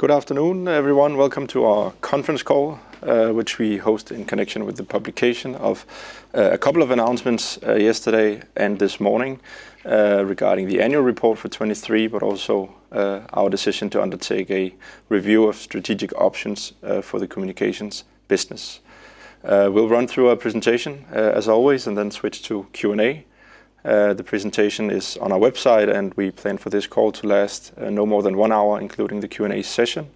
Good afternoon, everyone. Welcome to our conference call, which we host in connection with the publication of a couple of announcements yesterday and this morning, regarding the annual report for 2023, but also, our decision to undertake a review of strategic options, for the communications business. We'll run through our presentation, as always, and then switch to Q and A. The presentation is on our website, and we plan for this call to last, no more than one hour, including the Q and A session.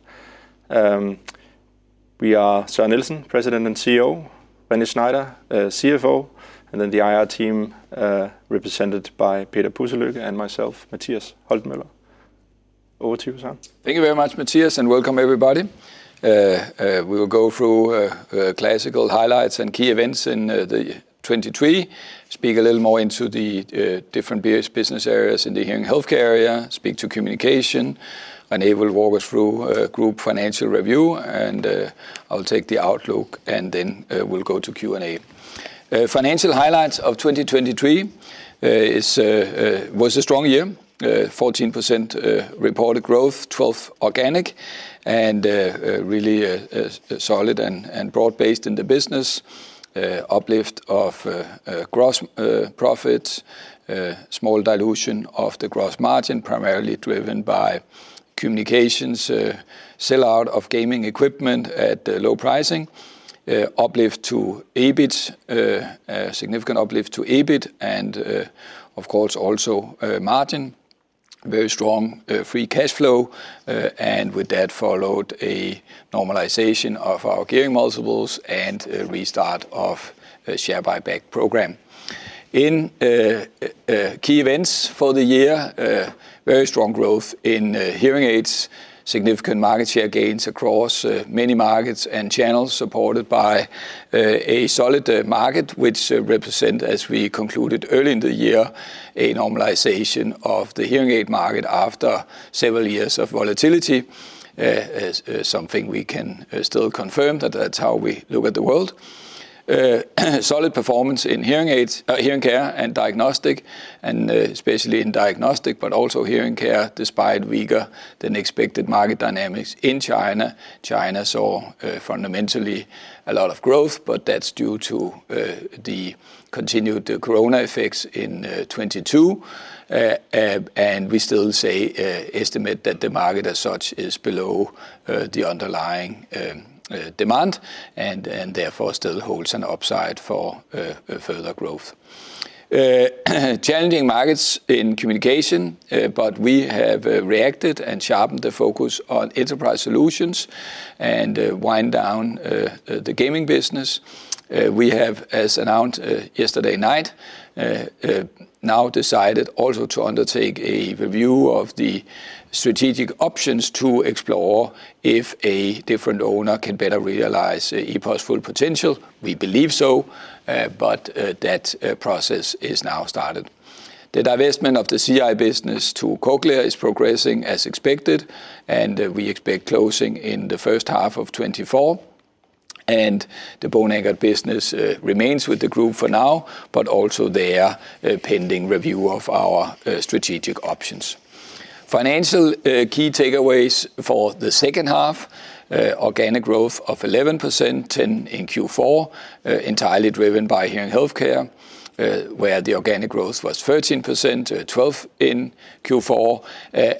We are Søren Nielsen, President and CEO, René Schneider, CFO, and then the IR team, represented by peter-pudselykke and myself, Mathias Holten Møller. Over to you, Søren. Thank you very much, Mathias, and welcome everybody. We will go through classical highlights and key events in 2023. Will speak a little more into the different business areas in the hearing healthcare area, speak to communication, and he will walk us through group financial review, and I'll take the outlook, and then we'll go to Q and A. Financial highlights of 2023 was a strong year. 14% reported growth, 12% organic, and really solid and broad-based in the business. Uplift of gross profits, small dilution of the gross margin, primarily driven by communications sell-out of gaming equipment at low pricing, uplift to EBIT, significant uplift to EBIT, and of course, also margin. Very strong free cash flow, and with that followed a normalization of our gearing multiples and a restart of a share buyback program. In key events for the year, very strong growth in hearing aids, significant market share gains across many markets and channels, supported by a solid market, which represent, as we concluded early in the year, a normalization of the hearing aid market after several years of volatility, is something we can still confirm, that that's how we look at the world. Solid performance in hearing aids, hearing care and diagnostic, and especially in diagnostic, but also hearing care, despite weaker-than-expected market dynamics in China. China saw fundamentally a lot of growth, but that's due to the continued corona effects in 2022. We still say estimate that the market, as such, is below the underlying demand and therefore still holds an upside for further growth. Challenging markets in communication, but we have reacted and sharpened the focus on enterprise solutions and wind down the gaming business. We have, as announced yesterday night, now decided also to undertake a review of the strategic options to explore if a different owner can better realize EPOS' full potential. We believe so, but that process is now started. The divestment of the CI business to Cochlear is progressing as expected, and we expect closing in the first half of 2024. The Bone Anchored business remains with the group for now, but also there, pending review of our strategic options. Financial key takeaways for the second half, organic growth of 11%, 10% in Q4, entirely driven by hearing healthcare, where the organic growth was 13%, 12% in Q4.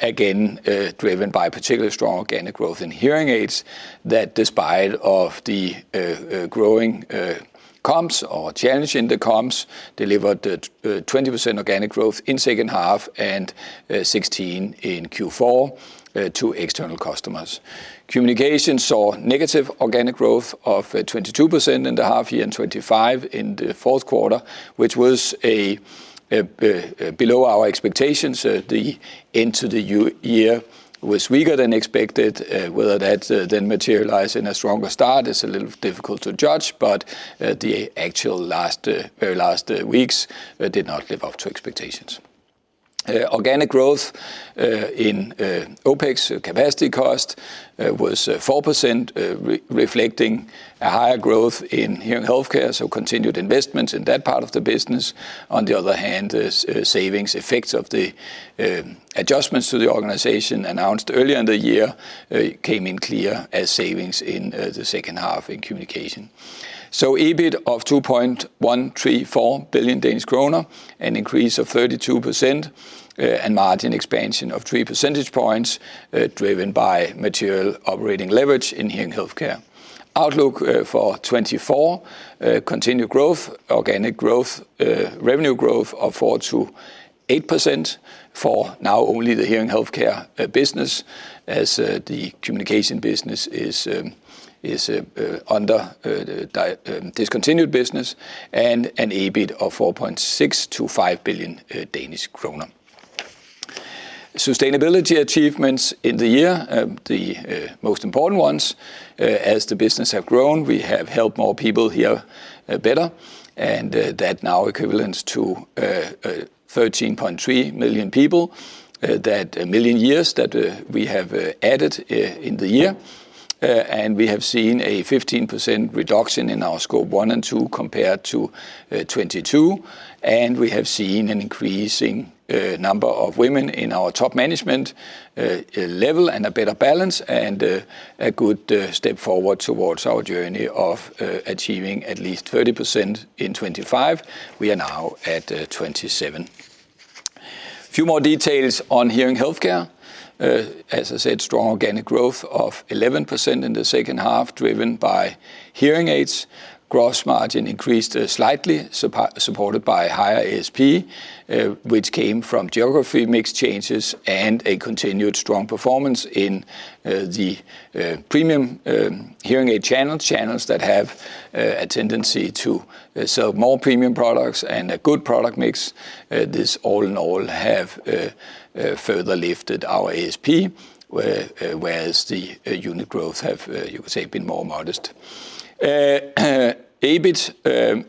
Again, driven by particularly strong organic growth in hearing aids, that despite of the growing comps or challenge in the comps, delivered a 20% organic growth in second half and 16% in Q4 to external customers. Communication saw negative organic growth of 22% in the half year and 25% in the fourth quarter, which was below our expectations. The intake into the year was weaker than expected. Whether that then materialize in a stronger start is a little difficult to judge, but the actual last very last weeks did not live up to expectations. Organic growth in OpEx capacity cost was 4%, reflecting a higher growth in hearing healthcare, so continued investments in that part of the business. On the other hand, savings effects of the adjustments to the organization announced earlier in the year came in clear as savings in the second half in communication. So EBIT of 2.134 billion Danish kroner, an increase of 32%, and margin expansion of three percentage points, driven by material operating leverage in hearing healthcare. Outlook for 2024, continued growth, organic growth, revenue growth of 4%-8% for now only the hearing healthcare business, as the communication business is discontinued business, and an EBIT of 4.6-5 billion Danish kroner. Sustainability achievements in the year, the most important ones, as the business have grown, we have helped more people hear better, and that now equates to 13.3 million people that a million years that we have added in the year. And we have seen a 15% reduction in our Scope 1 and 2 compared to 2022, and we have seen an increasing number of women in our top management level, and a better balance, and a good step forward towards our journey of achieving at least 30% in 2025. We are now at 27%. A few more details on hearing healthcare. As I said, strong organic growth of 11% in the second half, driven by hearing aids. Gross margin increased slightly, supported by higher ASP, which came from geography mix changes and a continued strong performance in the premium hearing aid channel. Channels that have a tendency to sell more premium products and a good product mix. This all in all have further lifted our ASP, where, whereas the unit growth have, you would say, been more modest. EBIT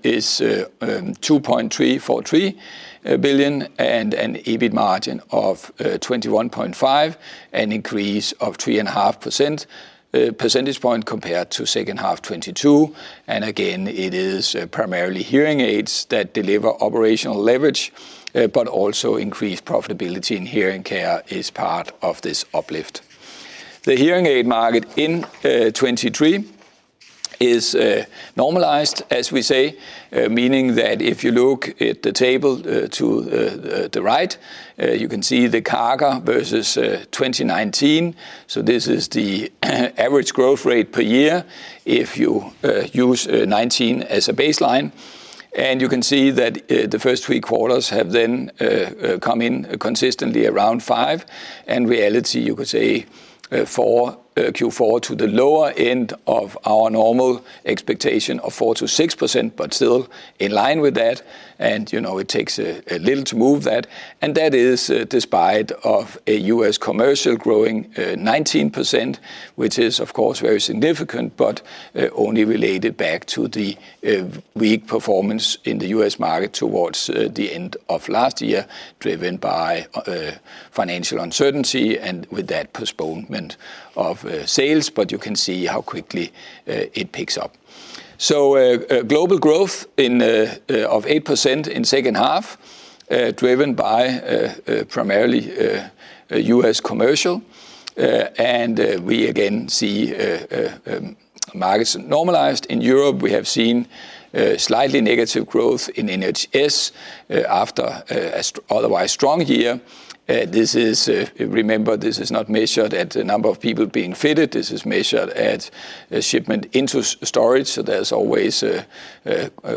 is 2.343 billion, and an EBIT margin of 21.5%, an increase of 3.5 percentage points compared to second half 2022. And again, it is primarily hearing aids that deliver operational leverage, but also increased profitability in hearing care is part of this uplift. The hearing aid market in 2023 is normalized, as we say, meaning that if you look at the table to the right, you can see the CAGR versus 2019. So this is the average growth rate per year if you use 2019 as a baseline. And you can see that, the first three quarters have then come in consistently around five. In reality, you could say, four, Q4 to the lower end of our normal expectation of 4%-6%, but still in line with that. And, you know, it takes a little to move that, and that is, despite of a U.S. commercial growing, 19%, which is, of course, very significant, but, only related back to the, weak performance in the U.S. market towards, the end of last year, driven by, financial uncertainty and with that, postponement of, sales, but you can see how quickly, it picks up. So, global growth in, of 8% in second half, driven by, primarily, U.S. commercial. And we again see markets normalized. In Europe, we have seen slightly negative growth in NHS after an otherwise strong year. This is, remember, this is not measured at the number of people being fitted, this is measured at a shipment into storage, so there's always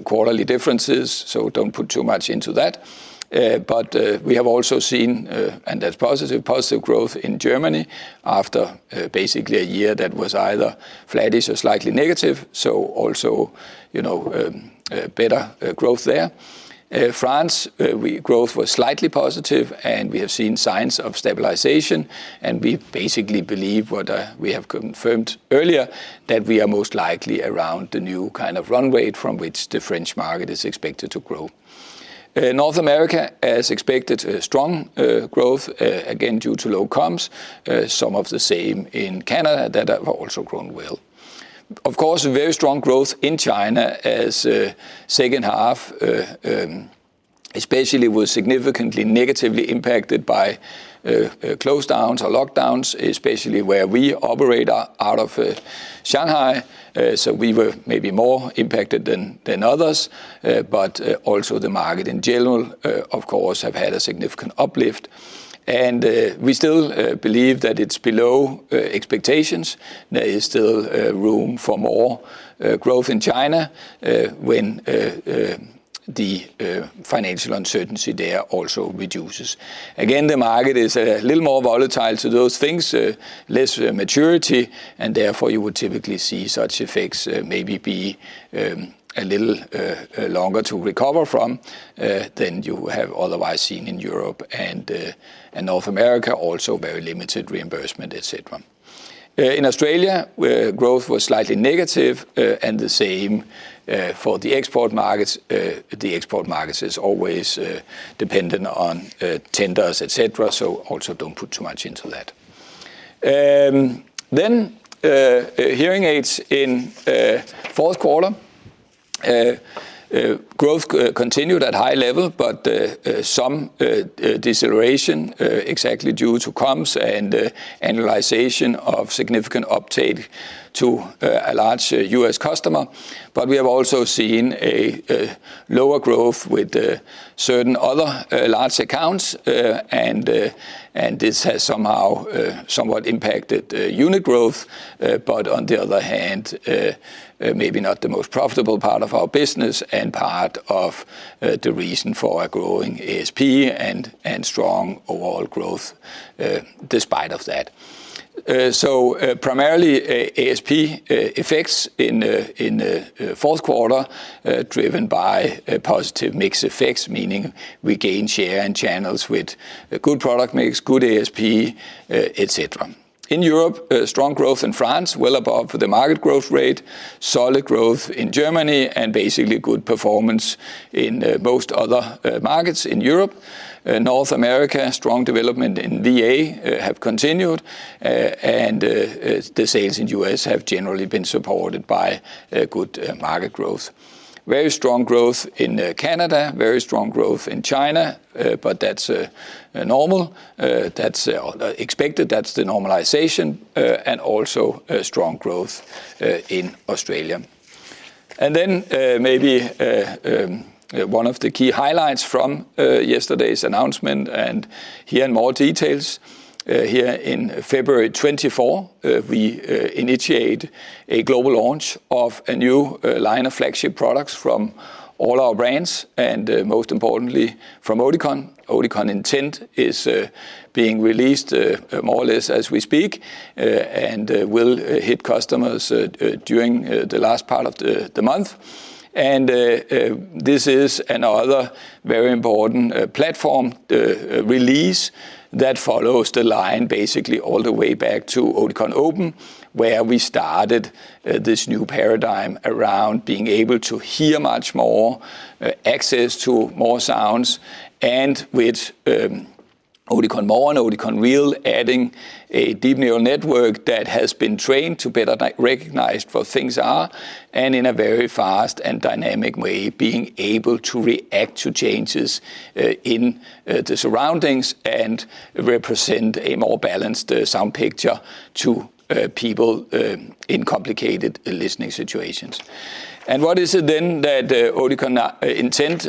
quarterly differences, so don't put too much into that. But we have also seen, and that's positive, positive growth in Germany after basically a year that was either flattish or slightly negative. So also, you know, better growth there. France, growth was slightly positive, and we have seen signs of stabilization, and we basically believe what we have confirmed earlier, that we are most likely around the new kind of runway from which the French market is expected to grow. North America, as expected, strong growth again, due to low comps, some of the same in Canada that have also grown well. Of course, a very strong growth in China as second half especially was significantly negatively impacted by closedowns or lockdowns, especially where we operate out of Shanghai. So we were maybe more impacted than others, but also the market in general of course have had a significant uplift. We still believe that it's below expectations. There is still room for more growth in China when the financial uncertainty there also reduces. Again, the market is a little more volatile to those things, less maturity, and therefore, you would typically see such effects, maybe a little longer to recover from than you have otherwise seen in Europe and North America. Also, very limited reimbursement, et cetera. In Australia, where growth was slightly negative, and the same for the export markets. The export markets is always dependent on tenders, et cetera, so also don't put too much into that. Then, hearing aids in fourth quarter, growth continued at high level, but some deceleration exactly due to comps and annualization of significant uptake to a large US customer. But we have also seen a lower growth with certain other large accounts, and this has somehow somewhat impacted unit growth. But on the other hand, maybe not the most profitable part of our business and part of the reason for our growing ASP and strong overall growth, despite of that. So, primarily, ASP effects in the fourth quarter, driven by positive mix effects, meaning we gain share and channels with a good product mix, good ASP, et cetera. In Europe, strong growth in France, well above the market growth rate, solid growth in Germany, and basically good performance in most other markets in Europe. In North America, strong development in VA have continued, and the sales in U.S. have generally been supported by good market growth. Very strong growth in Canada, very strong growth in China, but that's normal. That's expected. That's the normalization, and also a strong growth in Australia. Then, maybe, one of the key highlights from yesterday's announcement, and here in more details, here in February twenty-fourth, we initiate a global launch of a new line of flagship products from all our brands and, most importantly, from Oticon. Oticon Intent is being released more or less as we speak, and will hit customers during the last part of the month. And, this is another very important platform release that follows the line basically all the way back to Oticon Opn, where we started this new paradigm around being able to hear much more, access to more sounds, and with Oticon More and Oticon Real, adding a deep neural network that has been trained to better recognize where things are, and in a very fast and dynamic way, being able to react to changes in the surroundings and represent a more balanced sound picture to people in complicated listening situations. And what is it then that Oticon Intent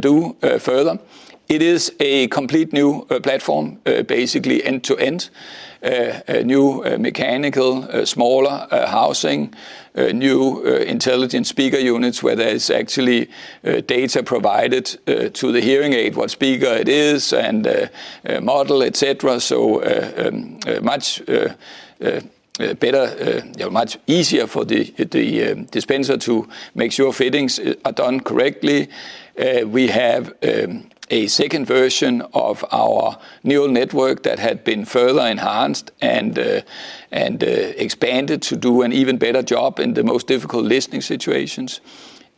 do further? It is a complete new platform basically end to end. A new mechanical smaller housing, a new intelligent speaker units, where there is actually data provided to the hearing aid, what speaker it is, and model, etc. So much better, much easier for the dispenser to make sure fittings are done correctly. We have a second version of our neural network that had been further enhanced and expanded to do an even better job in the most difficult listening situations.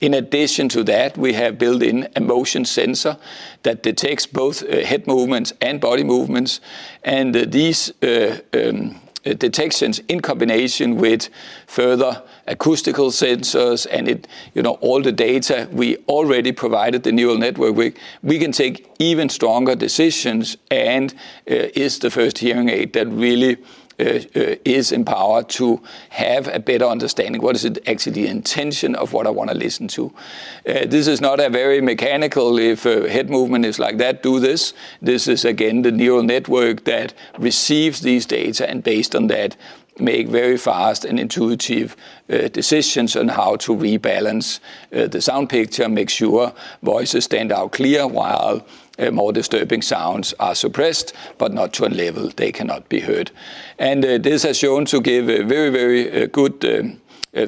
In addition to that, we have built-in a motion sensor that detects both head movements and body movements, and these detections, in combination with further acoustical sensors and, you know, all the data we already provided, the neural network, we can take even stronger decisions and is the first hearing aid that really is empowered to have a better understanding. What is it actually the intention of what I want to listen to? This is not a very mechanical, "If a head movement is like that, do this." This is, again, the neural network that receives these data, and based on that, make very fast and intuitive decisions on how to rebalance the sound picture, make sure voices stand out clear, while more disturbing sounds are suppressed, but not to a level they cannot be heard. This has shown to give a very, very good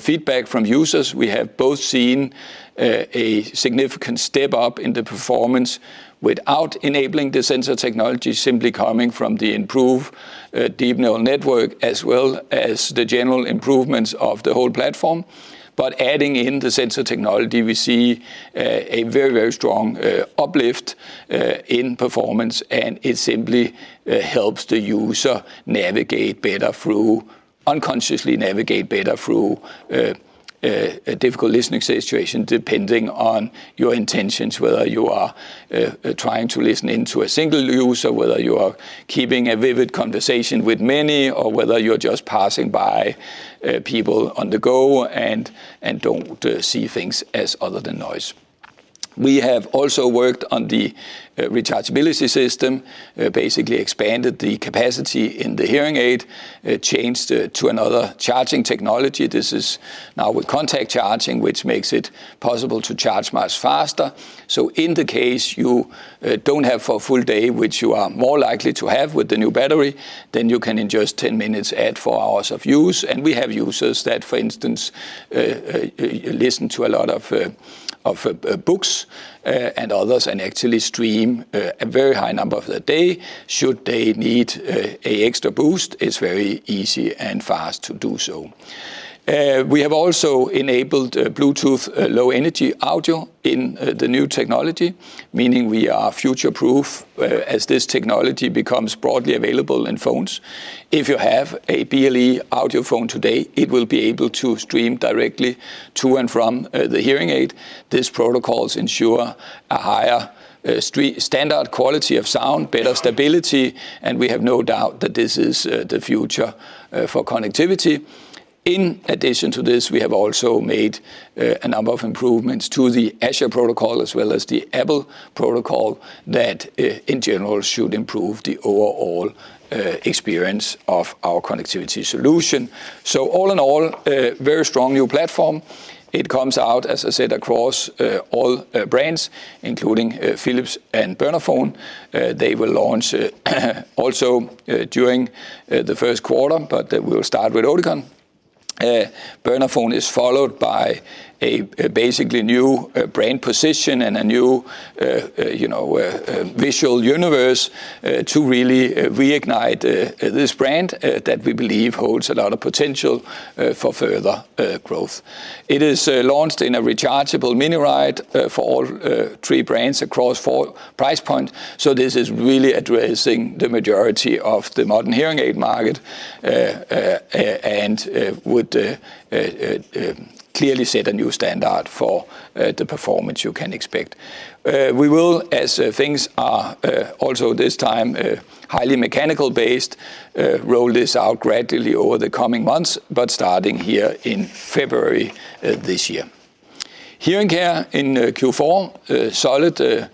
feedback from users. We have both seen a significant step up in the performance without enabling the sensor technology, simply coming from the improved Deep Neural Network, as well as the general improvements of the whole platform. But adding in the sensor technology, we see a very, very strong uplift in performance, and it simply helps the user navigate better through, unconsciously navigate better through a difficult listening situation, depending on your intentions. Whether you are trying to listen in to a single user, or whether you are keeping a vivid conversation with many, or whether you're just passing by people on the go and don't see things as other than noise. We have also worked on the rechargeability system, basically expanded the capacity in the hearing aid, changed to another charging technology. This is now with contact charging, which makes it possible to charge much faster. So in the case you don't have for a full day, which you are more likely to have with the new battery, then you can in just 10 minutes add four hours of use. And we have users that, for instance, listen to a lot of books, and others, and actually stream a very high number of the day. Should they need a extra boost, it's very easy and fast to do so. We have also enabled Bluetooth Low Energy audio in the new technology, meaning we are future-proof, as this technology becomes broadly available in phones. If you have a BLE audio phone today, it will be able to stream directly to and from the hearing aid. These protocols ensure a higher standard quality of sound, better stability, and we have no doubt that this is the future for connectivity. In addition to this, we have also made a number of improvements to the ASHA protocol, as well as the Apple protocol. That in general should improve the overall experience of our connectivity solution. So all in all, a very strong new platform. It comes out, as I said, across all brands, including Philips and Bernafon. They will launch also during the first quarter, but we will start with Oticon. Bernafon is followed by a basically new brand position and a new, you know, visual universe to really reignite this brand that we believe holds a lot of potential for further growth. It is launched in a rechargeable miniRITE for all three brands across four price points. So this is really addressing the majority of the modern hearing aid market and would clearly set a new standard for the performance you can expect. We will, as things are also this time, highly mechanical based, roll this out gradually over the coming months, but starting here in February this year. Hearing care in Q4, solid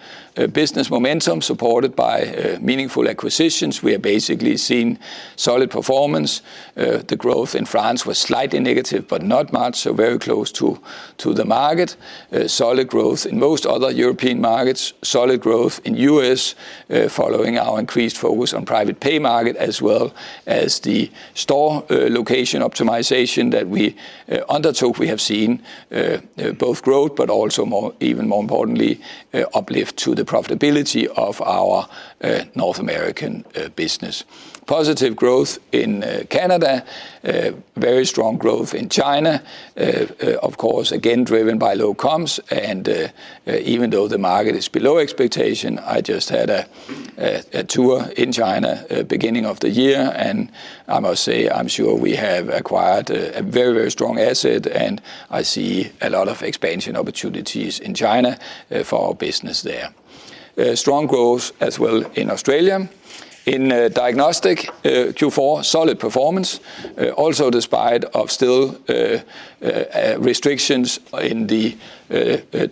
business momentum, supported by meaningful acquisitions. We have basically seen solid performance. The growth in France was slightly negative, but not much, so very close to the market. Solid growth in most other European markets. Solid growth in U.S., following our increased focus on private pay market, as well as the store location optimization that we undertook. We have seen both growth, but also more, even more importantly, uplift to the profitability of our North American business. Positive growth in Canada, very strong growth in China, of course, again, driven by low comps. Even though the market is below expectation, I just had a tour in China at beginning of the year, and I must say, I'm sure we have acquired a very, very strong asset, and I see a lot of expansion opportunities in China for our business there. Strong growth as well in Australia. In diagnostic, Q4, solid performance, also despite still restrictions in the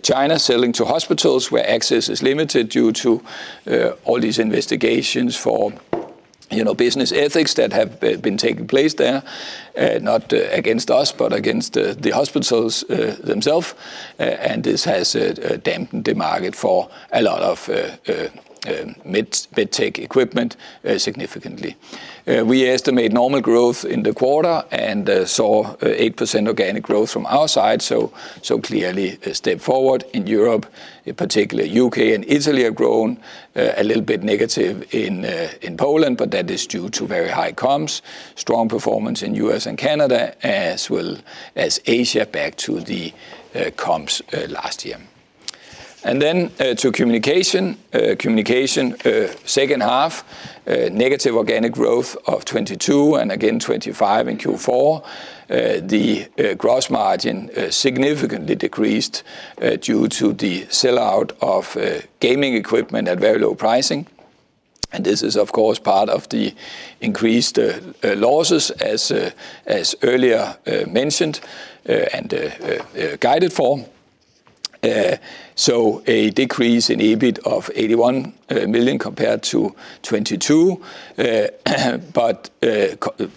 China, selling to hospitals, where access is limited due to all these investigations for, you know, business ethics that have been taking place there, not against us, but against the hospitals themselves. And this has dampened the market for a lot of med tech equipment significantly. We estimate normal growth in the quarter and saw 8% organic growth from our side, so clearly a step forward in Europe. In particular, U.K. and Italy have grown, a little bit negative in Poland, but that is due to very high comps. Strong performance in U.S. and Canada, as well as Asia, back to the comps last year. And then to communication. Communication second half negative organic growth of 22, and again 25 in Q4. The gross margin significantly decreased due to the sell-out of gaming equipment at very low pricing. And this is, of course, part of the increased losses, as earlier mentioned and guided for. So a decrease in EBIT of 81 million compared to 22 million. But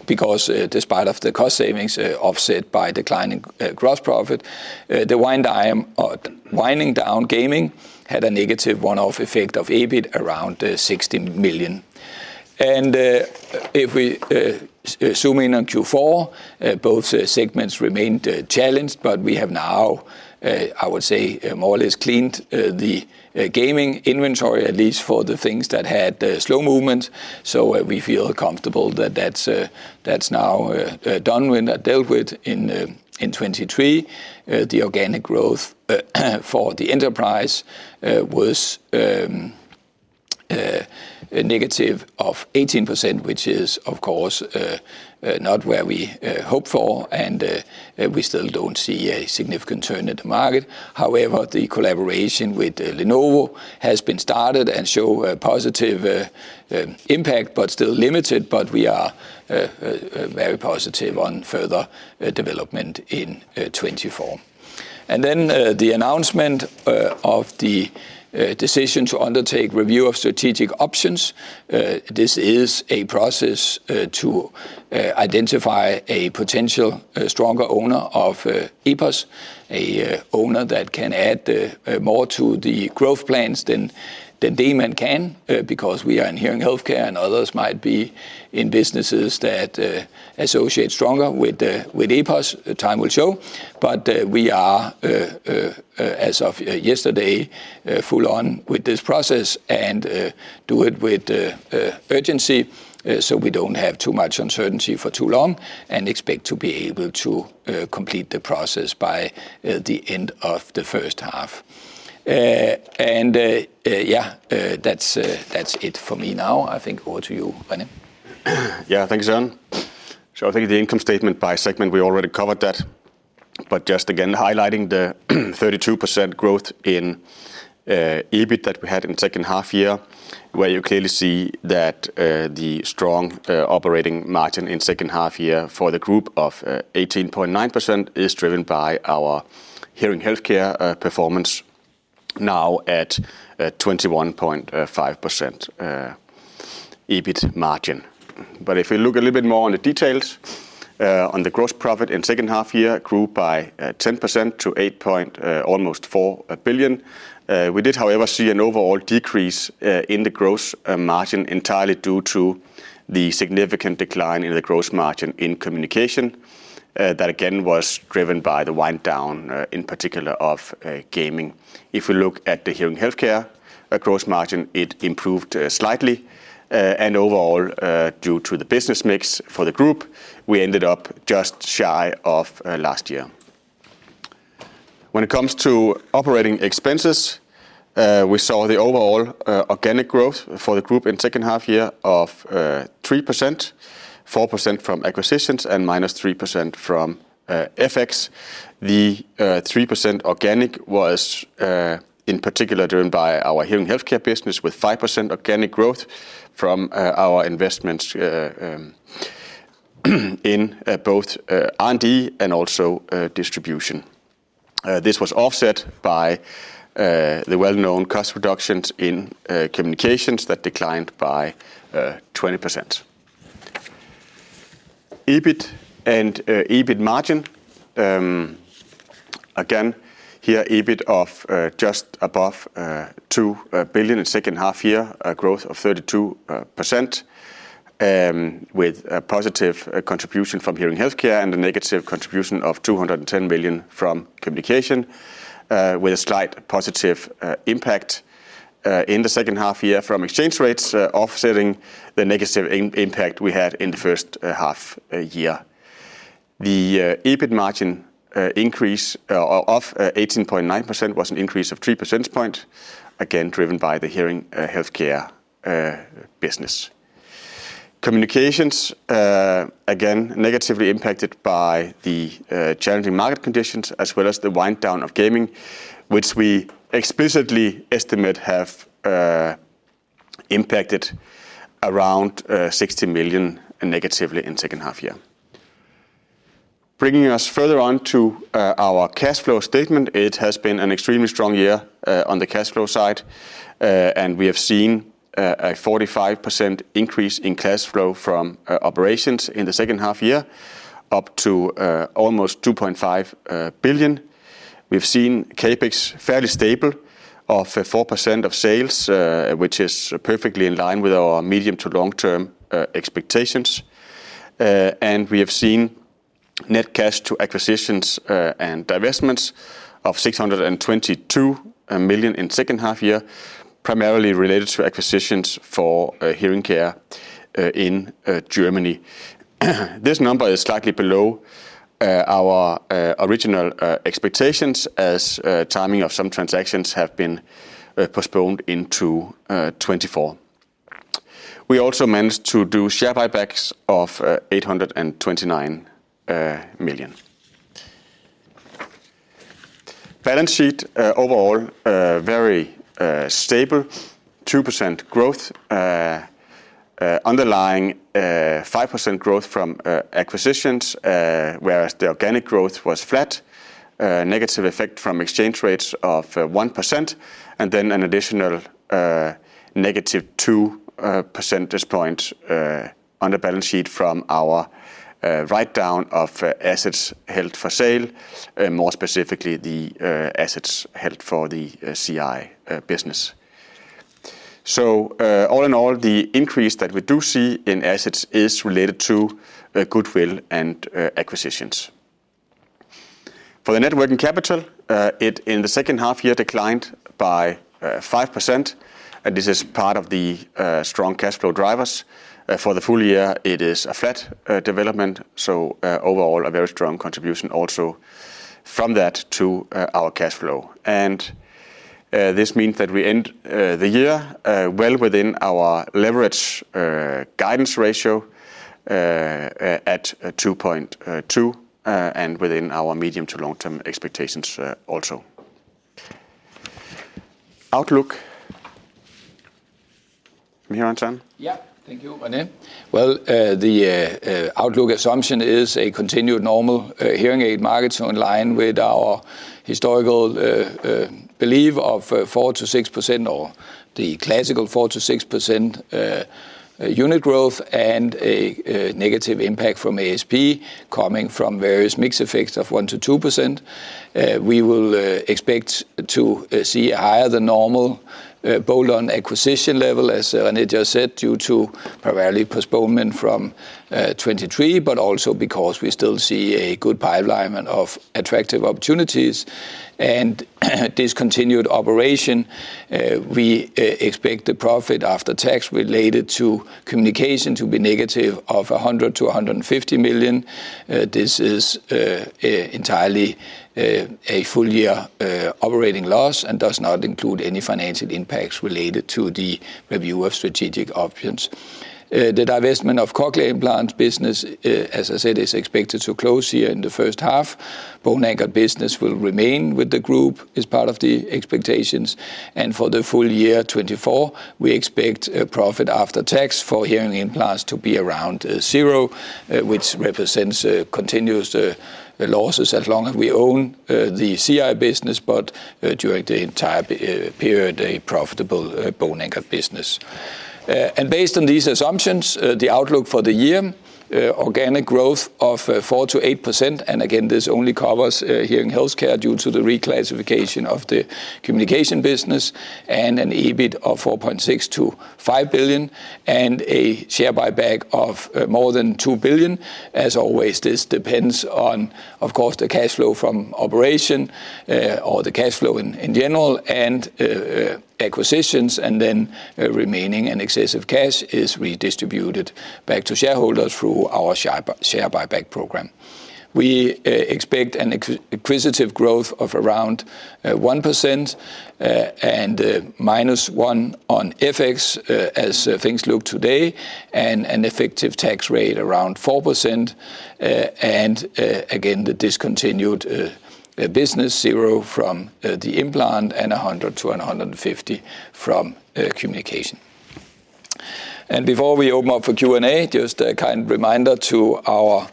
because despite of the cost savings offset by declining gross profit, the wind down winding down gaming had a negative one-off effect of EBIT around 16 million. If we zoom in on Q4, both segments remained challenged, but we have now, I would say, more or less cleaned the gaming inventory, at least for the things that had slow movement. So we feel comfortable that that's now done with and dealt with in 2023. The organic growth for the enterprise was a negative of 18%, which is, of course, not where we hoped for, and we still don't see a significant turn in the market. However, the collaboration with Lenovo has been started and show a positive impact, but still limited, but we are very positive on further development in 2024. And then, the announcement of the decision to undertake review of strategic options. This is a process to identify a potential stronger owner of EPOS. A owner that can add more to the growth plans than Demant can, because we are in hearing healthcare, and others might be in businesses that associate stronger with EPOS. Time will show, but we are, as of yesterday, full on with this process and do it with urgency, so we don't have too much uncertainty for too long, and expect to be able to complete the process by the end of the first half. And yeah, that's, that's it for me now. I think over to you, René. Yeah, thank you, Søren. So I think the income statement by segment, we already covered that. But just again, highlighting the 32% growth in EBIT that we had in second half year, where you clearly see that the strong operating margin in second half year for the group of 18.9% is driven by our hearing healthcare performance now at 21.5% EBIT margin. But if we look a little bit more on the details on the gross profit in second half year grew by 10% to almost 8.4 billion. We did, however, see an overall decrease in the gross margin, entirely due to the significant decline in the gross margin in communication that again was driven by the wind down in particular of gaming. If we look at the hearing healthcare gross margin, it improved slightly, and overall, due to the business mix for the group, we ended up just shy of last year. When it comes to operating expenses, we saw the overall organic growth for the group in second half year of 3%, 4% from acquisitions, and -3% from FX. The 3% organic was in particular driven by our hearing healthcare business, with 5% organic growth from our investments in both R&D and also distribution. This was offset by the well-known cost reductions in communications that declined by 20%. EBIT and EBIT margin. Again, here, EBIT of just above 2 billion in second half year, a growth of 32%, with a positive contribution from hearing healthcare and a negative contribution of 210 million from communication, with a slight positive impact in the second half year from exchange rates, offsetting the negative impact we had in the first half year. The EBIT margin increase of 18.9% was an increase of three percentage point, again, driven by the hearing healthcare business. Communications again negatively impacted by the challenging market conditions, as well as the wind down of gaming, which we explicitly estimate have impacted around 60 million negatively in second half year. Bringing us further on to our cash flow statement, it has been an extremely strong year on the cash flow side, and we have seen a 45% increase in cash flow from operations in the second half year, up to almost 2.5 billion. We've seen CapEx fairly stable of 4% of sales, which is perfectly in line with our medium to long-term expectations. And we have seen net cash to acquisitions and divestments of 622 million in second half year, primarily related to acquisitions for hearing care in Germany. This number is slightly below our original expectations, as timing of some transactions have been postponed into 2024. We also managed to do share buybacks of 829 million. Balance sheet, overall, very stable, 2% growth, underlying 5% growth from acquisitions, whereas the organic growth was flat. Negative effect from exchange rates of 1%, and then an additional negative 2 percentage points on the balance sheet from our write down of assets held for sale, more specifically, the assets held for the CI business. So, all in all, the increase that we do see in assets is related to goodwill and acquisitions. For the net working capital, it, in the second half year, declined by 5%, and this is part of the strong cash flow drivers. For the full year, it is a flat development, so overall, a very strong contribution also from that to our cash flow. And this means that we end the year well within our leverage guidance ratio at 2.2 and within our medium to long-term expectations also. Outlook. You here, Søren? Yeah. Thank you, René. Well, the outlook assumption is a continued normal hearing aid markets in line with our historical belief of 4%-6% or the classical 4%-6% unit growth and a negative impact from ASP, coming from various mix effects of 1%-2%. We will expect to see higher than normal bolt-on acquisition level, as René just said, due to primarily postponement from 2023, but also because we still see a good pipeline and of attractive opportunities. And discontinued operation, we expect the profit after tax related to communication to be negative 100-150 million. This is entirely a full year operating loss and does not include any financial impacts related to the review of strategic options. The divestment of cochlear implant business, as I said, is expected to close here in the first half. Bone Anchored business will remain with the group as part of the expectations. For the full year 2024, we expect a profit after tax for hearing implants to be around zero, which represents continuous losses as long as we own the CI business, but during the entire period, a profitable Bone Anchored business. And based on these assumptions, the outlook for the year. Organic growth of 4%-8%, and again, this only covers hearing healthcare due to the reclassification of the communication business, and an EBIT of 4.6 billion-5 billion, and a share buyback of more than 2 billion. As always, this depends on, of course, the cash flow from operation or the cash flow in general, and acquisitions, and then remaining and excessive cash is redistributed back to shareholders through our share buyback program. We expect an acquisitive growth of around 1%, and minus 1% on FX, as things look today, and an effective tax rate around 4%. And again, the discontinued business zero from the implant and 100-150 from communication. Before we open up for Q and A, just a kind reminder to our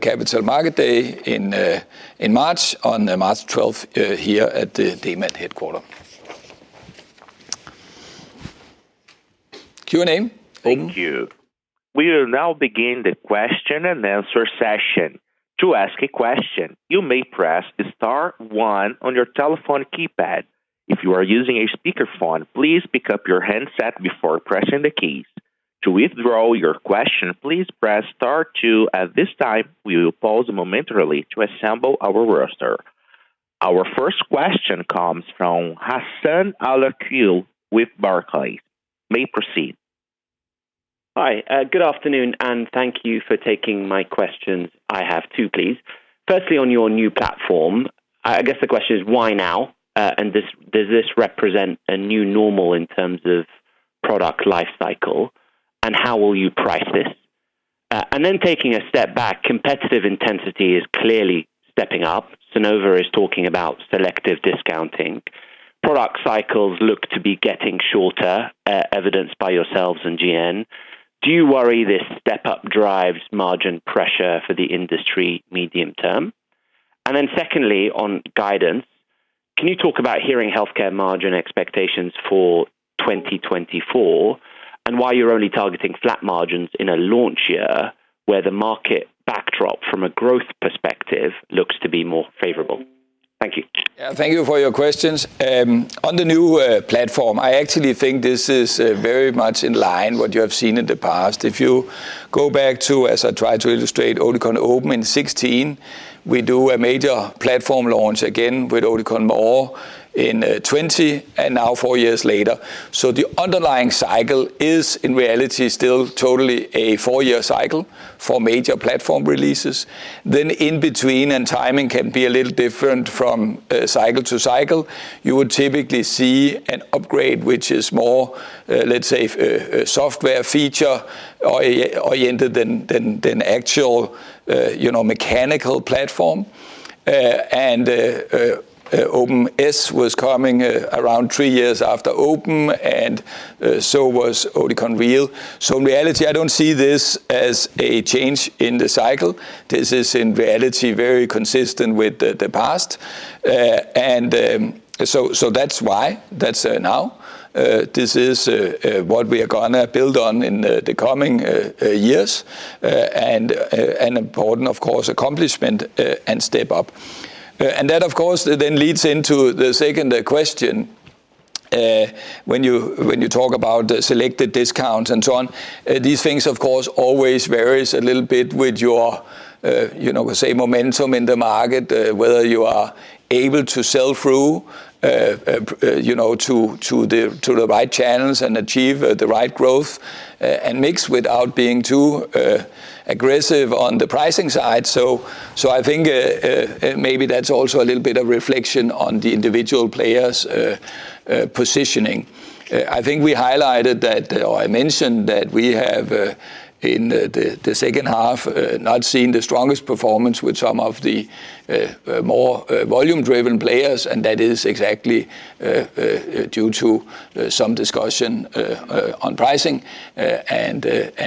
Capital Markets Day in March, on March 12th, here at the Demant headquarters. Q and A. Thank you. We will now begin the question-and-answer session. To ask a question, you may press the star one on your telephone keypad. If you are using a speakerphone, please pick up your handset before pressing the keys. To withdraw your question, please press star two. At this time, we will pause momentarily to assemble our roster. Our first question comes from Hassan Al-Wakeel with Barclays. You may proceed. Hi, good afternoon, and thank you for taking my questions. I have two, please. Firstly, on your new platform, I guess the question is why now? And does, does this represent a new normal in terms of product life cycle, and how will you price this? And then taking a step back, competitive intensity is clearly stepping up. Sonova is talking about selective discounting. Product cycles look to be getting shorter, evidenced by yourselves and GN. Do you worry this step up drives margin pressure for the industry medium term? And then secondly, on guidance, can you talk about hearing healthcare margin expectations for 2024, and why you're only targeting flat margins in a launch year, where the market backdrop, from a growth perspective, looks to be more favorable? Thank you. Yeah, thank you for your questions. On the new platform, I actually think this is very much in line with what you have seen in the past. If you go back to, as I tried to illustrate, Oticon Opn in 2016, we do a major platform launch again with Oticon More in 2020 and now four years later. So the underlying cycle is, in reality, still totally a four year cycle for major platform releases. Then in between, and timing can be a little different from cycle to cycle, you would typically see an upgrade, which is more, let's say, a software feature oriented than actual, you know, mechanical platform. And Opn S was coming around three years after Opn, and so was Oticon Real. So in reality, I don't see this as a change in the cycle. This is, in reality, very consistent with the past. And so that's why. That's now this is what we are gonna build on in the coming years, and an important, of course, accomplishment and step up. And that, of course, then leads into the second question. When you talk about selected discounts and so on, these things, of course, always varies a little bit with your, you know, say, momentum in the market, whether you are able to sell through, you know, to the right channels and achieve the right growth and mix without being too aggressive on the pricing side. So, I think maybe that's also a little bit of reflection on the individual players' positioning. I think we highlighted that, or I mentioned that we have, in the second half, not seen the strongest performance with some of the more volume-driven players, and that is exactly due to some discussion on pricing. And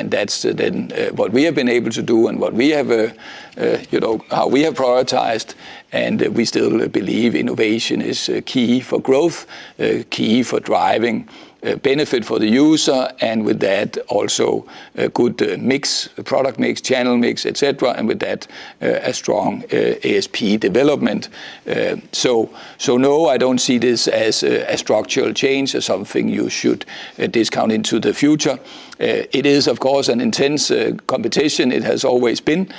that's then what we have been able to do and what we have, you know, how we have prioritized, and we still believe innovation is key for growth, key for driving benefit for the user, and with that, also a good mix, product mix, channel mix, et cetera, and with that, a strong ASP development. So, no, I don't see this as a structural change or something you should discount into the future. It is, of course, an intense competition. It has always been,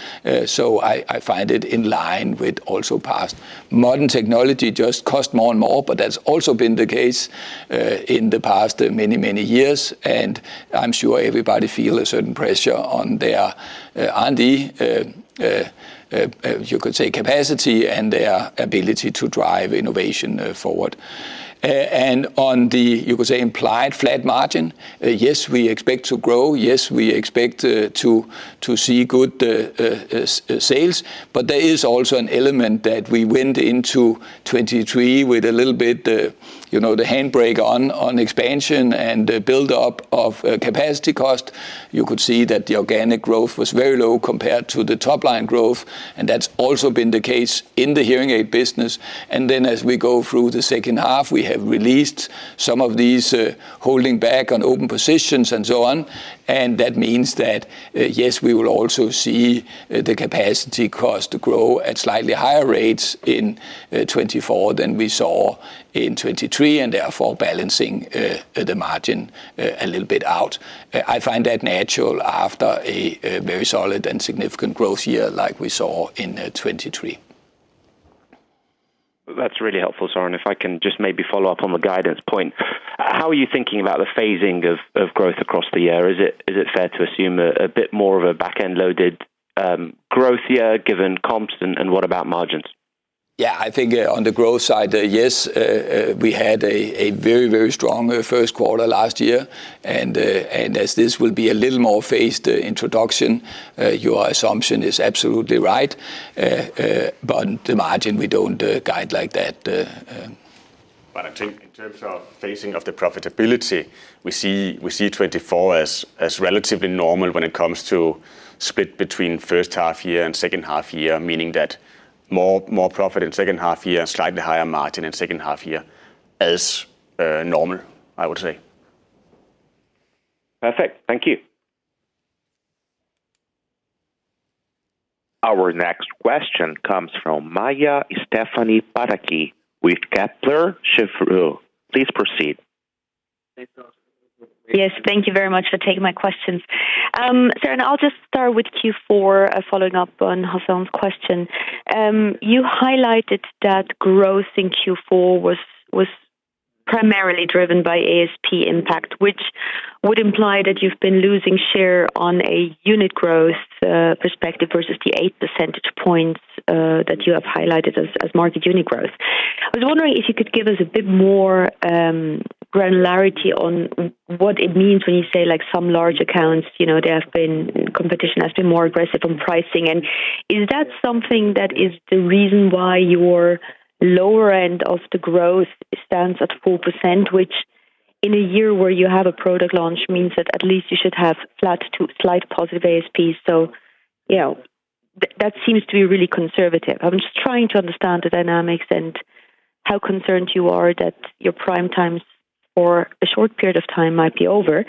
so I find it in line with also past. Modern technology just cost more and more, but that's also been the case in the past many years, and I'm sure everybody feel a certain pressure on their R&D, you could say, capacity and their ability to drive innovation forward. And on the, you could say, implied flat margin, yes, we expect to grow. Yes, we expect to see good sales, but there is also an element that we went into 2023 with a little bit, you know, the handbrake on expansion and the build-up of capacity cost. You could see that the organic growth was very low compared to the top-line growth, and that's also been the case in the hearing aid business. And then, as we go through the second half, we have released some of these holding back on open positions and so on, and that means that, yes, we will also see the capacity cost grow at slightly higher rates in 2024 than we saw in 2023, and therefore, balancing the margin a little bit out. I find that natural after a very solid and significant growth year like we saw in 2023. That's really helpful, Søren. If I can just maybe follow up on the guidance point, how are you thinking about the phasing of growth across the year? Is it fair to assume a bit more of a back-end loaded growth year, given comps, and what about margins? Yeah, I think, on the growth side, yes, we had a very, very strong first quarter last year, and as this will be a little more phased introduction, your assumption is absolutely right. But the margin, we don't guide like that. I think in terms of phasing of the profitability, we see 2024 as relatively normal when it comes to split between first half year and second half year, meaning that more profit in second half year and slightly higher margin in second half year as normal, I would say. Perfect. Thank you. Our next question comes from Maja Pataki with Kepler Cheuvreux. Please proceed. Yes, thank you very much for taking my questions. So and I'll just start with Q4, following up on Hassan's question. You highlighted that growth in Q4 was primarily driven by ASP impact, which would imply that you've been losing share on a unit growth perspective versus the 8 percentage points that you have highlighted as market unit growth. I was wondering if you could give us a bit more granularity on what it means when you say, like, some large accounts, you know, there have been, competition has been more aggressive on pricing. And is that something that is the reason why your lower end of the growth stands at 4%, which in a year where you have a product launch, means that at least you should have flat to slight positive ASPs? So you know, that seems to be really conservative. I'm just trying to understand the dynamics and how concerned you are that your prime times for a short period of time might be over.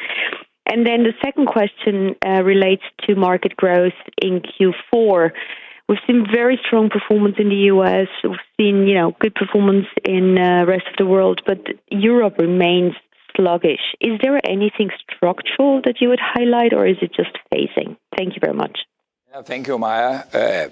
And then the second question relates to market growth in Q4. We've seen very strong performance in the U.S., we've seen, you know, good performance in rest of the world, but Europe remains sluggish. Is there anything structural that you would highlight, or is it just phasing? Thank you very much. Yeah, thank you, Maja. You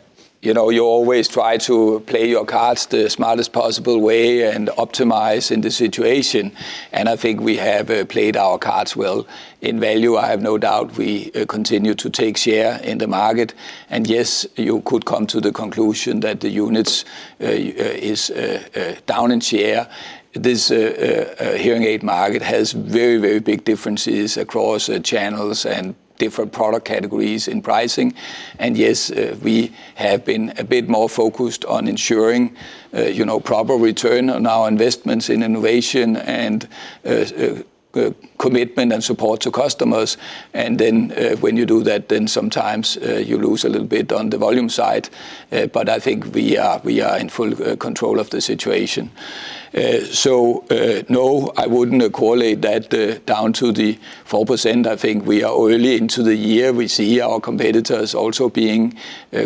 know, you always try to play your cards the smartest possible way and optimize in the situation, and I think we have played our cards well. In value, I have no doubt we continue to take share in the market, and yes, you could come to the conclusion that the units is down in share. This hearing aid market has very, very big differences across channels and different product categories in pricing. Yes, we have been a bit more focused on ensuring, you know, proper return on our investments in innovation and commitment and support to customers. And then, when you do that, then sometimes, you lose a little bit on the volume side, but I think we are, we are in full control of the situation. So, no, I wouldn't correlate that down to the 4%. I think we are early into the year. We see our competitors also being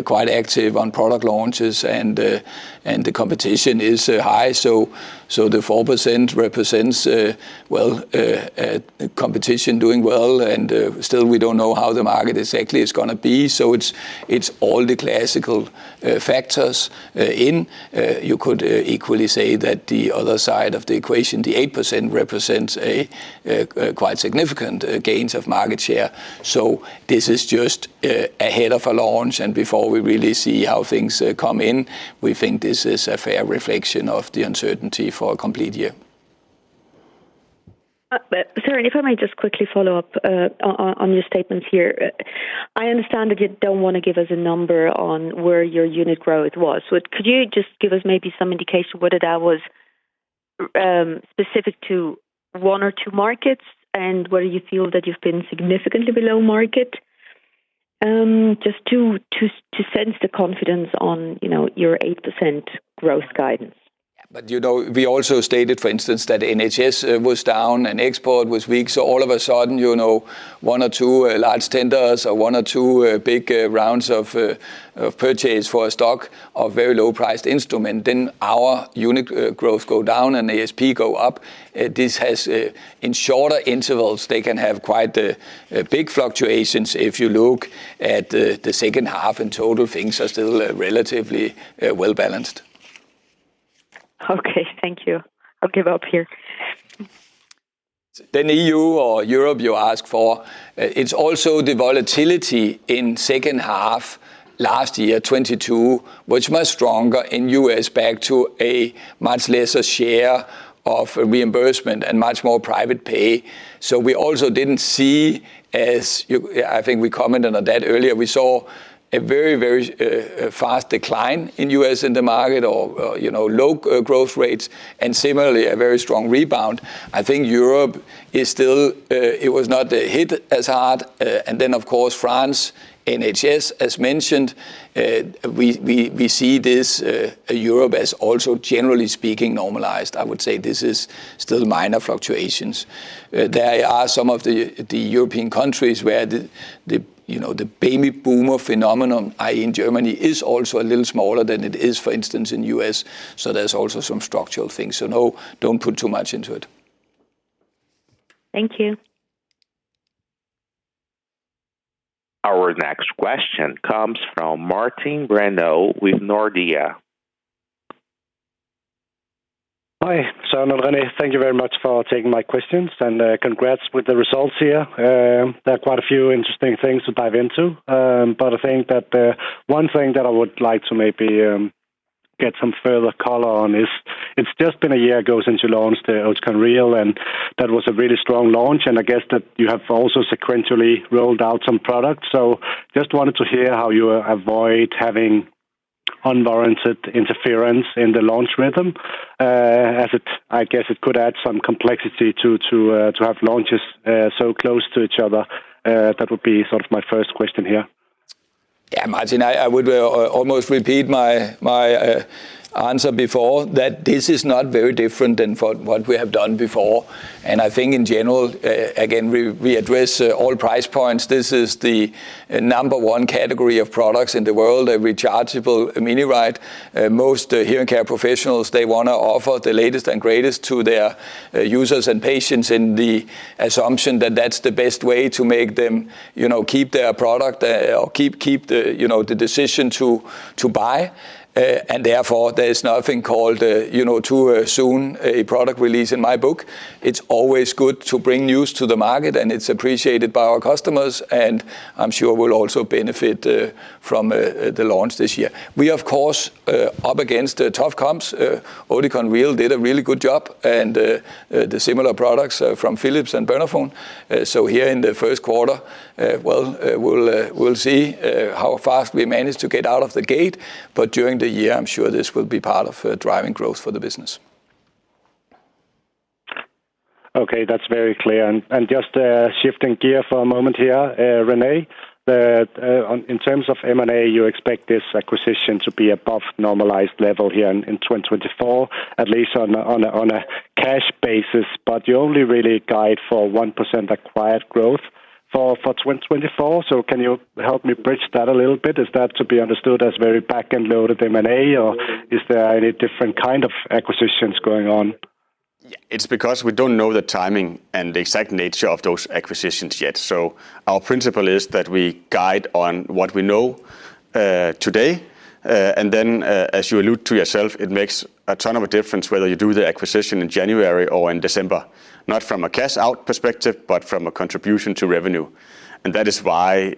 quite active on product launches, and the competition is high. So, the 4% represents, well, competition doing well, and still, we don't know how the market exactly is gonna be. So it's all the classical factors in. You could equally say that the other side of the equation, the 8%, represents a quite significant gains of market share. So this is just ahead of a launch, and before we really see how things come in, we think this is a fair reflection of the uncertainty for a complete year. But Søren, if I might just quickly follow up on your statements here. I understand that you don't wanna give us a number on where your unit growth was, but could you just give us maybe some indication whether that was specific to one or two markets, and whether you feel that you've been significantly below market? Just to sense the confidence on, you know, your 8% growth guidance. But, you know, we also stated, for instance, that NHS was down and export was weak, so all of a sudden, you know, one or two large tenders or one or two big rounds of purchase for a stock of very low-priced instrument, then our unit growth go down and ASP go up. This has, in shorter intervals, they can have quite big fluctuations. If you look at the second half and total, things are still relatively well-balanced. Okay, thank you. I'll give up here. Then, E.U. or Europe, you ask for, it's also the volatility in second half, last year, 2022, which much stronger in U.S., back to a much lesser share of reimbursement and much more private pay. So we also didn't see as you—I think we commented on that earlier, we saw a very, very, fast decline in U.S. in the market or, you know, low, growth rates and similarly, a very strong rebound. I think Europe is still, it was not hit as hard. And then, of course, France, NHS, as mentioned, we see this, Europe as also, generally speaking, normalized. I would say this is still minor fluctuations. There are some of the European countries where, you know, the baby boomer phenomenon, i.e., in Germany, is also a little smaller than it is, for instance, in U.S. So there's also some structural things. No, don't put too much into it. Thank you. Our next question comes from Martin Brenøe with Nordea. Hi, so, René, thank you very much for taking my questions, and, congrats with the results here. There are quite a few interesting things to dive into, but I think that, one thing that I would like to maybe, get some further color on is, it's just been a year ago since you launched the Oticon Real, and that was a really strong launch, and I guess that you have also sequentially rolled out some products. So just wanted to hear how you avoid having unwarranted interference in the launch rhythm, as it, I guess, it could add some complexity to have launches so close to each other. That would be sort of my first question here. Yeah, Martin, I, I would almost repeat my, my answer before, that this is not very different than for what we have done before, and I think in general, again, we, we address all price points. This is the number one category of products in the world, a rechargeable miniRITE. Most hearing care professionals, they wanna offer the latest and greatest to their users and patients, in the assumption that that's the best way to make them, you know, keep their product, or keep, keep the, you know, the decision to, to buy. And therefore, there's nothing called, you know, too soon a product release in my book. It's always good to bring news to the market, and it's appreciated by our customers, and I'm sure we'll also benefit from the launch this year. We, of course, up against tough comps. Oticon Real did a really good job, and, the similar products from Philips and Phonak. So here in the first quarter, well, we'll, we'll see, how fast we manage to get out of the gate, but during the year, I'm sure this will be part of, driving growth for the business. Okay, that's very clear. And just, shifting gear for a moment here, René, on, in terms of M&A, you expect this acquisition to be above normalized level here in 2024, at least on a cash basis, but you only really guide for 1% acquired growth for 2024. So can you help me bridge that a little bit? Is that to be understood as very back-end loaded M&A, or is there any different kind of acquisitions going on? Yeah. It's because we don't know the timing and the exact nature of those acquisitions yet. So our principle is that we guide on what we know, today, and then, as you allude to yourself, it makes a ton of a difference whether you do the acquisition in January or in December, not from a cash-out perspective, but from a contribution to revenue. And that is why,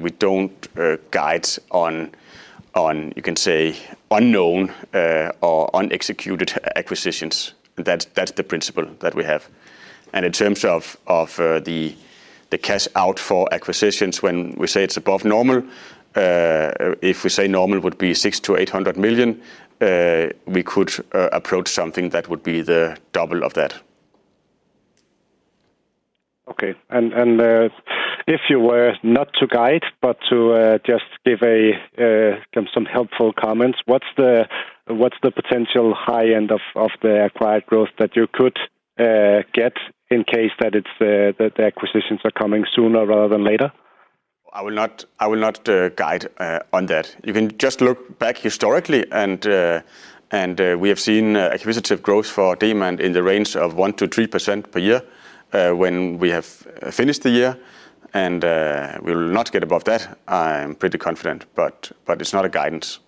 we don't, guide on, on, you can say, unknown, or unexecuted acquisitions. That's, that's the principle that we have. And in terms of, of, the, the cash out for acquisitions, when we say it's above normal, if we say normal would be 600 million-800 million, we could, approach something that would be the double of that. Okay. And if you were not to guide, but to just give some helpful comments, what's the potential high end of the acquired growth that you could get in case that the acquisitions are coming sooner rather than later? I will not, I will not, guide on that. You can just look back historically, and we have seen acquisitive growth for Demant in the range of 1%-3% per year, when we have finished the year, and we will not get above that. I'm pretty confident, but it's not a guidance.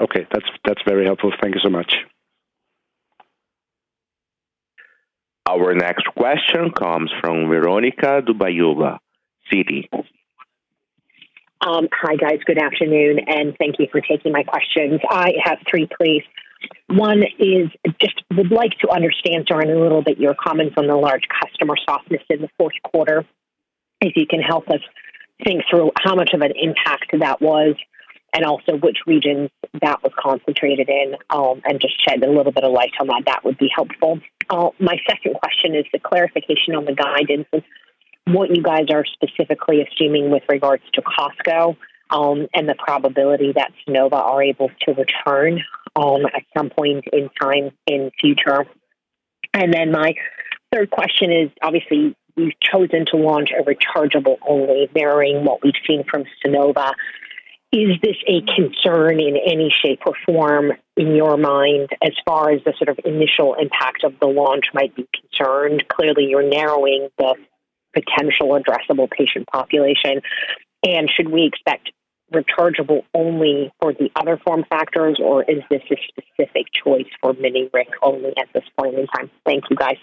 Okay. That's, that's very helpful. Thank you so much. Our next question comes from Veronika Dubajova, Citi. Hi, guys. Good afternoon, and thank you for taking my questions. I have three, please. One is, just would like to understand during a little bit your comments on the large customer softness in the fourth quarter. If you can help us think through how much of an impact that was, and also which regions that was concentrated in, and just shed a little bit of light on that, that would be helpful. My second question is the clarification on the guidance. What you guys are specifically assuming with regards to Costco, and the probability that Sonova are able to return, at some point in time in future. And then my third question is, obviously, you've chosen to launch a rechargeable-only, mirroring what we've seen from Sonova. Is this a concern in any shape or form in your mind, as far as the sort of initial impact of the launch might be concerned? Clearly, you're narrowing the potential addressable patient population. And should we expect rechargeable only for the other form factors, or is this a specific choice for miniRITE only at this point in time? Thank you, guys.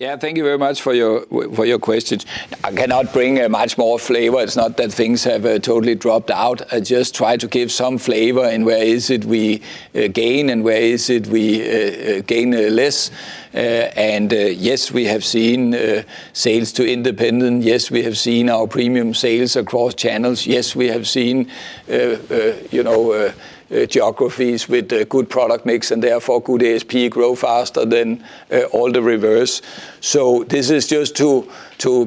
Yeah, thank you very much for your questions. I cannot bring much more flavor. It's not that things have totally dropped out. I just try to give some flavor in where is it we gain and where is it we gain less. And yes, we have seen sales to independent. Yes, we have seen our premium sales across channels. Yes, we have seen, you know, geographies with good product mix, and therefore, good ASP grow faster than all the reverse. So this is just to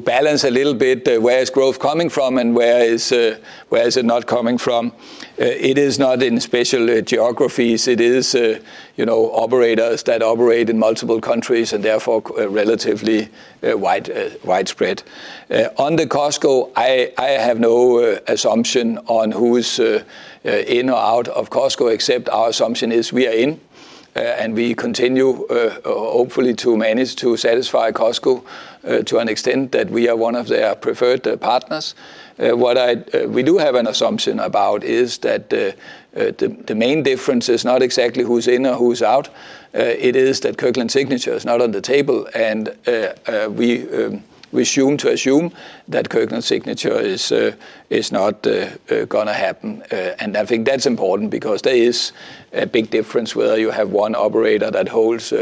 balance a little bit where is growth coming from and where is it not coming from? It is not in special geographies. It is, you know, operators that operate in multiple countries, and therefore, relatively wide, widespread. On the Costco, I have no assumption on who is in or out of Costco, except our assumption is we are in, and we continue, hopefully to manage to satisfy Costco, to an extent that we are one of their preferred partners. What I, we do have an assumption about is that, the main difference is not exactly who's in or who's out. It is that Kirkland Signature is not on the table, and, we assume to assume that Kirkland Signature is, is not gonna happen. And I think that's important because there is a big difference whether you have one operator that holds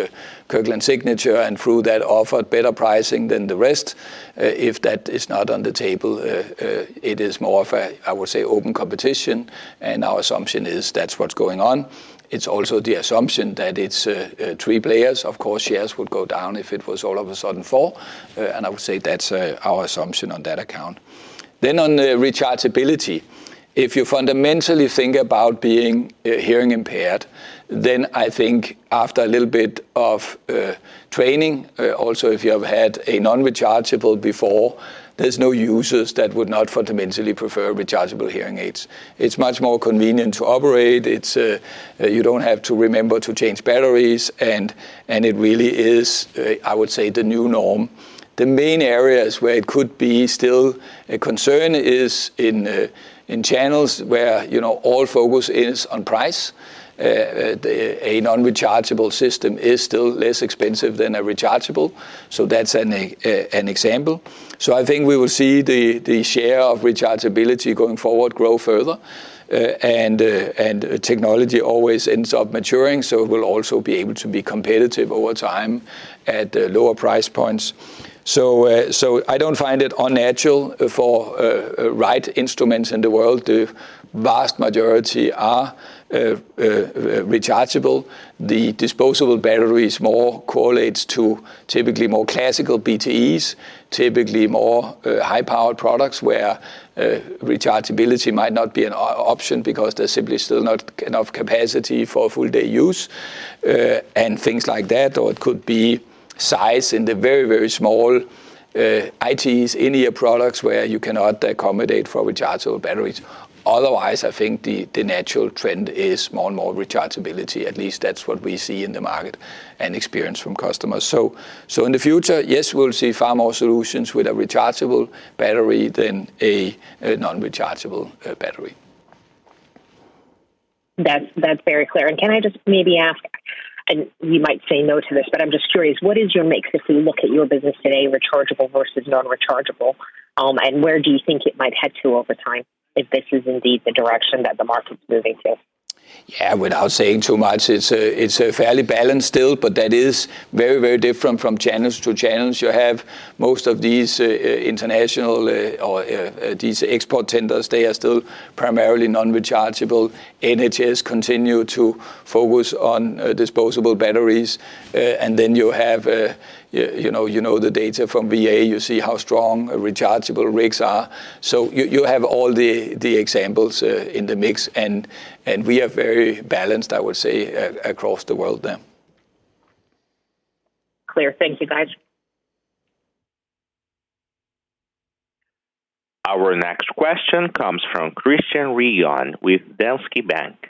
Kirkland Signature, and through that, offered better pricing than the rest. If that is not on the table, it is more of a, I would say, open competition, and our assumption is that's what's going on. It's also the assumption that it's three players. Of course, shares would go down if it was all of a sudden four, and I would say that's our assumption on that account. Then on the rechargeability, if you fundamentally think about being hearing impaired, then I think after a little bit of training, also if you have had a non-rechargeable before, there's no users that would not fundamentally prefer rechargeable hearing aids. It's much more convenient to operate. It's you don't have to remember to change batteries, and it really is, I would say, the new norm. The main areas where it could be still a concern is in channels where, you know, all focus is on price. A non-rechargeable system is still less expensive than a rechargeable, so that's an example. So I think we will see the share of rechargeability going forward grow further, and technology always ends up maturing, so we'll also be able to be competitive over time at lower price points. So I don't find it unnatural for hearing instruments in the world. The vast majority are rechargeable. The disposable batteries more correlates to typically more classical BTEs, typically more high-powered products, where rechargeability might not be an option because there's simply still not enough capacity for full-day use, and things like that, or it could be size in the very, very small ITEs, in-ear products, where you cannot accommodate for rechargeable batteries. Otherwise, I think the natural trend is more and more rechargeability. At least that's what we see in the market and experience from customers. So in the future, yes, we'll see far more solutions with a rechargeable battery than a non-rechargeable battery. That's, that's very clear. And can I just maybe ask, and you might say no to this, but I'm just curious: What is your mix if we look at your business today, rechargeable versus non-rechargeable? And where do you think it might head to over time, if this is indeed the direction that the market's moving to? Yeah, without saying too much, it's a, it's a fairly balanced still, but that is very, very different from channels to channels. You have most of these international or these export tenders, they are still primarily non-rechargeable. NHS continue to focus on disposable batteries. And then you have you know, you know the data from VA. You see how strong rechargeable RICs are. So you have all the examples in the mix, and we are very balanced, I would say, across the world there. Clear. Thank you, guys. Our next question comes from Christian Ryom with Danske Bank.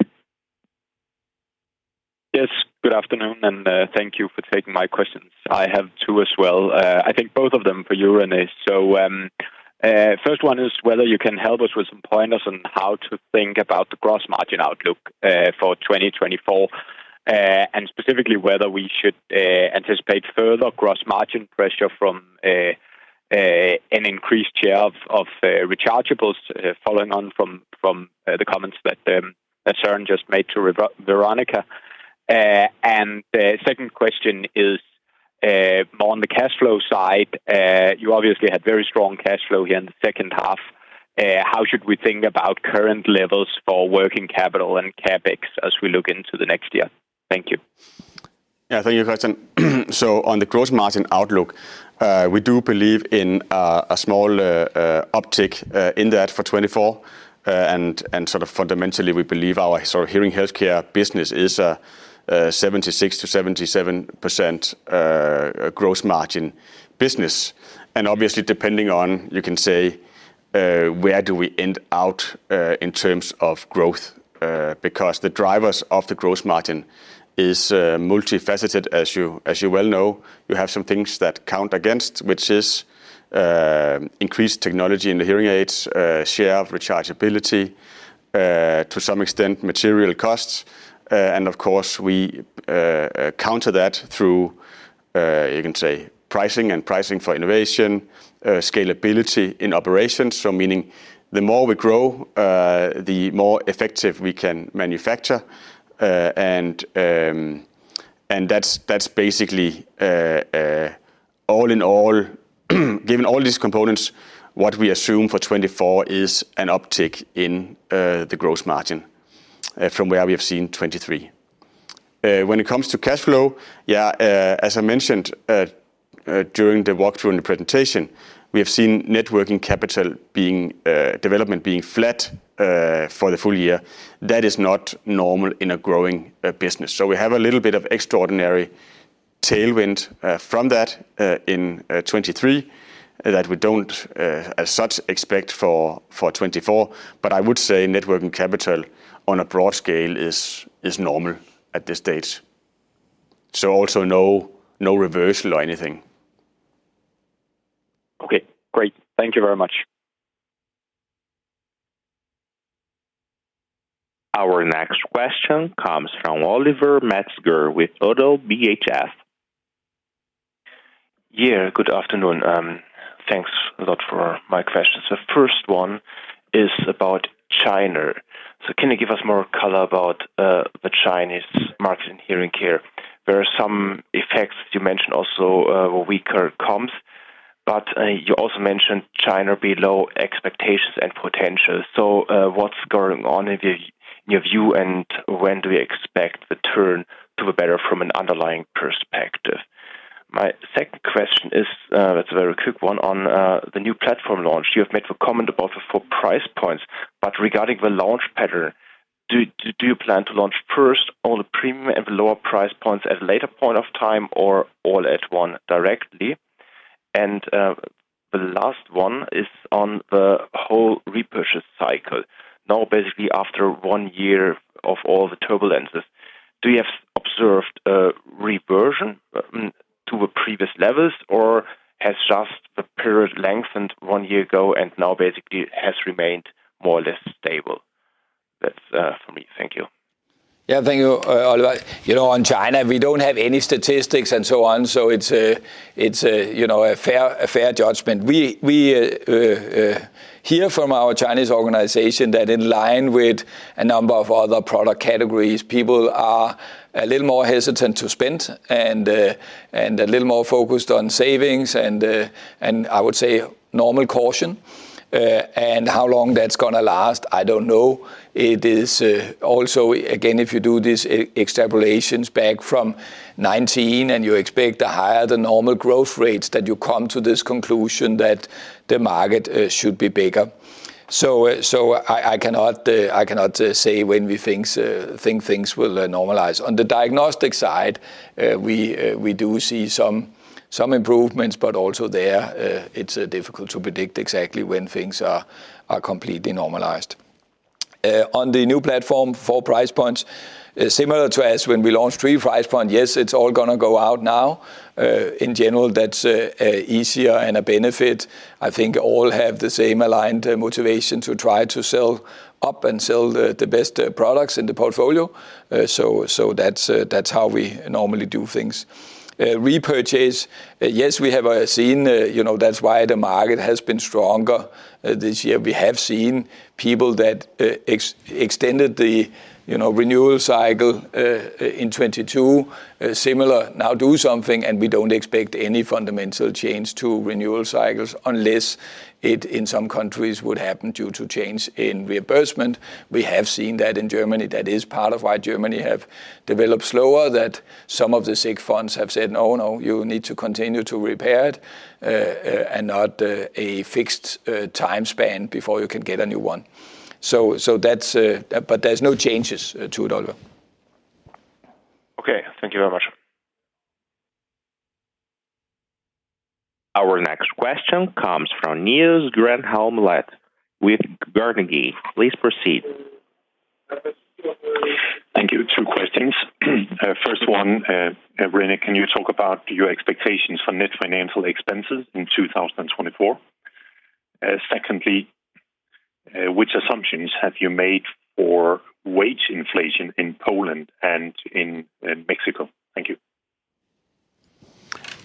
Yes, good afternoon, and thank you for taking my questions. I have two as well. I think both of them for you, René. First one is whether you can help us with some pointers on how to think about the gross margin outlook for 2024, and specifically, whether we should anticipate further gross margin pressure from an increased share of rechargeables, following on from the comments that Søren just made to Veronika. And the second question is more on the cash flow side. You obviously had very strong cash flow here in the second half. How should we think about current levels for working capital and CapEx as we look into the next year? Thank you. Yeah, thank you, Christian. So on the gross margin outlook, we do believe in a small uptick in that for 2024. And sort of fundamentally, we believe our sort of hearing healthcare business is 76%-77% gross margin business. And obviously, depending on, you can say, where do we end out in terms of growth? Because the drivers of the gross margin is multifaceted, as you well know. You have some things that count against, which is increased technology in the hearing aids, share of rechargeability, to some extent, material costs. And of course, we counter that through, you can say, pricing and pricing for innovation, scalability in operations. So meaning, the more we grow, the more effective we can manufacture. And that's basically all in all, given all these components, what we assume for 2024 is an uptick in the gross margin from where we have seen 2023. When it comes to cash flow, yeah, as I mentioned during the walkthrough in the presentation, we have seen net working capital development being flat for the full year. That is not normal in a growing business. So we have a little bit of extraordinary tailwind from that in 2023, that we don't as such expect for 2024. But I would say net working capital on a broad scale is normal at this stage. So also, no reversal or anything. Okay, great. Thank you very much. Our next question comes from Oliver Metzger with Oddo BHF. Yeah, good afternoon. Thanks a lot for my questions. The first one is about China. So can you give us more color about the Chinese market in hearing care? There are some effects, you mentioned also weaker comps, but you also mentioned China below expectations and potential. So what's going on in your view, and when do we expect the turn to the better from an underlying perspective? My second question is, it's a very quick one, on the new platform launch. You have made a comment about the four price points, but regarding the launch pattern, do you plan to launch first on the premium and the lower price points at a later point of time or all at one directly? And the last one is on the whole repurchase cycle. Now, basically, after one year of all the turbulences, do you have observed a reversion, to the previous levels, or has just the period lengthened one year ago and now basically has remained more or less stable? That's, for me. Thank you. Yeah, thank you, Oliver. You know, on China, we don't have any statistics and so on, so it's a fair judgment. We hear from our Chinese organization that in line with a number of other product categories, people are a little more hesitant to spend and a little more focused on savings and I would say normal caution. And how long that's gonna last, I don't know. It is also, again, if you do these extrapolations back from 2019, and you expect a higher than normal growth rates, that you come to this conclusion that the market should be bigger. So, I cannot say when we things think things will normalize. On the diagnostic side, we do see some improvements, but also there, it's difficult to predict exactly when things are completely normalized. On the new platform, four price points, similar to as when we launched three price point, yes, it's all gonna go out now. In general, that's easier and a benefit. I think all have the same aligned motivation to try to sell up and sell the best products in the portfolio. So, that's how we normally do things. Repurchase, yes, we have seen, you know, that's why the market has been stronger this year. We have seen people that extended the, you know, renewal cycle in 2022, similar now do something, and we don't expect any fundamental change to renewal cycles, unless it in some countries would happen due to change in reimbursement. We have seen that in Germany. That is part of why Germany have developed slower, that some of the sick funds have said, "No, no, you need to continue to repair it and not a fixed time span before you can get a new one." So that's but there's no changes to it, Oliver. Okay. Thank you very much. Our next question comes from Niels Granholm-Leth with Carnegie. Please proceed. Thank you. Two questions. First one, René, can you talk about your expectations for net financial expenses in 2024? Secondly, which assumptions have you made for wage inflation in Poland and in Mexico? Thank you.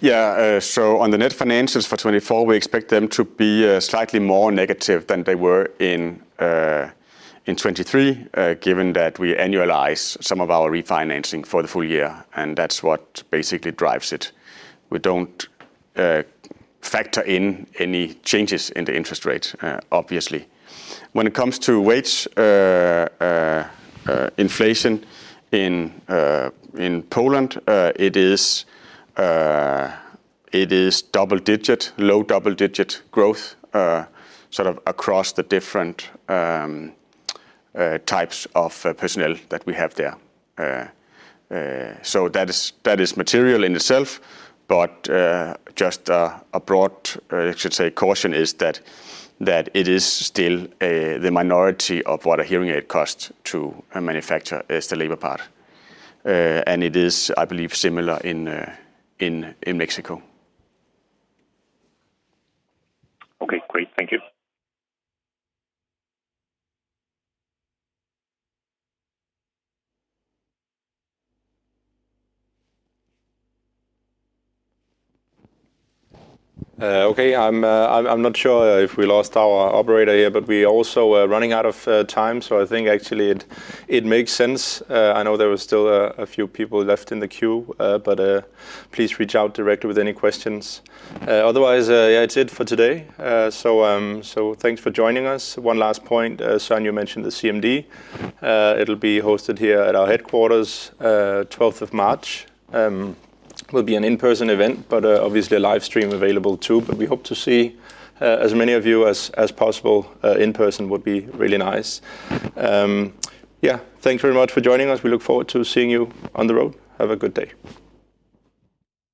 Yeah, so on the net finances for 2024, we expect them to be slightly more negative than they were in 2023, given that we annualize some of our refinancing for the full year, and that's what basically drives it. We don't factor in any changes in the interest rate, obviously. When it comes to wage inflation in Poland, it is double-digit, low double-digit growth, sort of across the different types of personnel that we have there. So that is material in itself, but just a broad, I should say, caution is that it is still the minority of what a hearing aid costs to a manufacturer, is the labor part. It is, I believe, similar in Mexico. Okay, great. Thank you. Okay, I'm not sure if we lost our operator here, but we also are running out of time, so I think actually it makes sense. I know there were still a few people left in the queue, but please reach out directly with any questions. Otherwise, yeah, it's it for today. So thanks for joining us. One last point, Søren mentioned the CMD. It'll be hosted here at our headquarters, 12th of March. Will be an in-person event, but obviously a live stream available too. But we hope to see as many of you as possible. In person would be really nice. Yeah, thanks very much for joining us. We look forward to seeing you on the road. Have a good day.